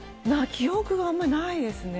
記憶があんまりないですね。